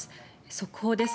速報です。